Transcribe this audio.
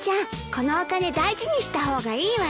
このお金大事にした方がいいわよ。